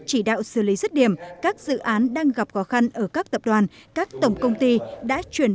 chỉ đạo xử lý rứt điểm các dự án đang gặp khó khăn ở các tập đoàn các tổng công ty đã chuyển